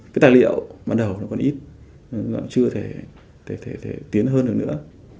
cái tài liệu ban đầu còn ít chưa thể tiến hơn được nữa